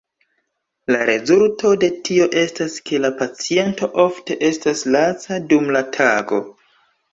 La rezulto de tio estas ke la paciento ofte estas laca dum la tago.